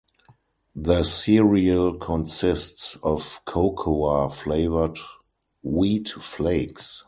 The cereal consists of cocoa flavored wheat flakes.